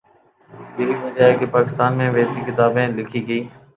یہی وجہ ہے کہ پاکستان میں ویسی کتابیں لکھی گئیں۔